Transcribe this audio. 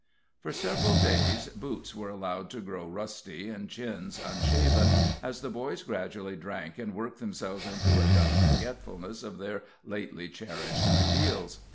For several days boots were allowed to grow rusty and chins unshaven, as the boys gradually drank and worked themselves into a dumb forgetfulness of their lately cherished ideals.